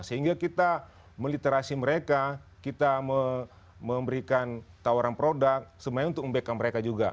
sehingga kita meliterasi mereka kita memberikan tawaran produk sebenarnya untuk membackup mereka juga